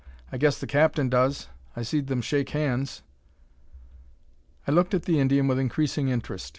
I guess the captain does; I seed them shake hands." I looked at the Indian with increasing interest.